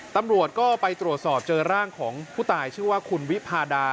ตำรวจก็ไปตรวจสอบเจอร่างของผู้ตายชื่อว่าคุณวิพาดา